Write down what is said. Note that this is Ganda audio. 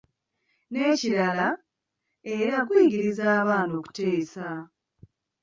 N’ekirala, era guyigiriza abaana okuteesa.